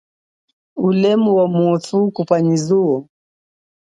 Ulemu wa muthu kupwa nyi zuwo.